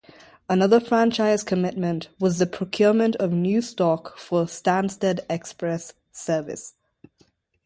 Another franchise commitment was the procurement of new stock for the Stansted Express service.